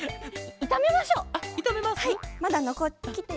いためましょう。